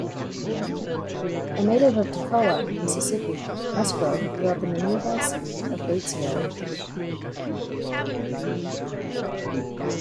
A native of Tocowa, Mississippi, Musgrove grew up in the nearby city of Batesville.